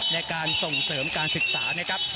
ในการส่งเสริมการศึกษา